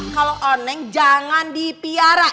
kalau oneng jangan dipiara